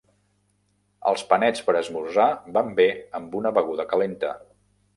Els panets per esmorzar van bé amb una beguda calenta.